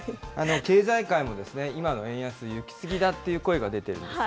経済界も今の円安、行き過ぎだという声が出ているんです。